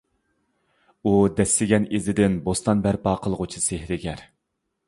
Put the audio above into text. ئۇ دەسسىگەن ئىزىدىن بوستان بەرپا قىلغۇچى سېھىرگەر!